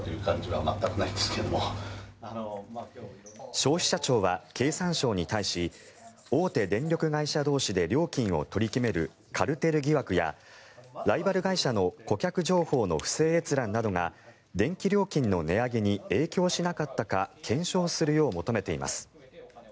消費者庁は経産省に対し大手電力会社同士で料金を取り決めるカルテル疑惑やライバル会社の顧客情報の不正閲覧などが電気料金の値上げに影響しなかったか検証するよう求めています。